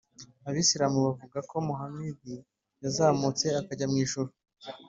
abisilamu bavuga ko muhamadi yazamutse akajya mu ijuru